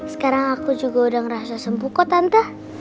sekarang aku juga udah ngerasa sembuh kok tante